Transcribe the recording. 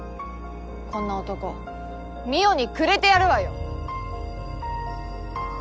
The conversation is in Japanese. こんな男望緒にくれてやるわよ！